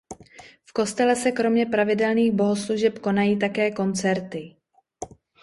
V kostele se kromě pravidelných bohoslužeb konají také koncerty.